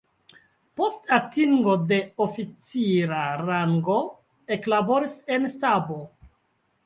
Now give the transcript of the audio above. Post atingo de oficira rango eklaboris en stabo.